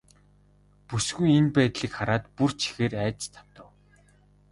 Бүсгүй энэ байдлыг хараад бүр ч ихээр айдаст автав.